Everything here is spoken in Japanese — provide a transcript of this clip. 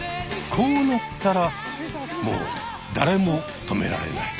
こうなったらもうだれも止められない。